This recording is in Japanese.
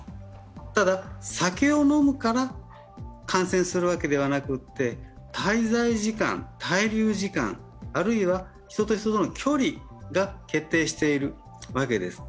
ただ、酒を飲むから感染するわけではなくて、滞在時間、滞留時間、あるいは人と人との距離が決定しているわけです。